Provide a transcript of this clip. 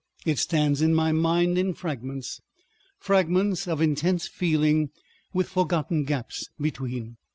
It stands in my mind in fragments, fragments of intense feeling with forgotten gaps between.